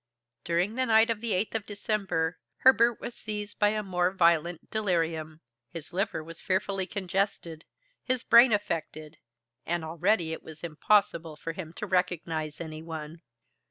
During the night of the 8th of December, Herbert was seized by a more violent delirium. His liver was fearfully congested, his brain affected, and already it was impossible for him to recognize any one.